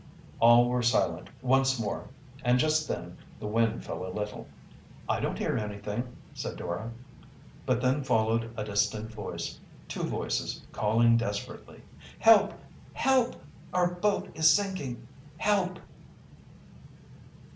All were silent once more, and just then the wind fell a little. "I don't hear anything," said Dora. But then followed a distant voice two voices calling desperately: "Help! help! Our boat is sinking! Help!"